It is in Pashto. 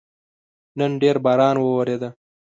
نن ډېر باران وورېده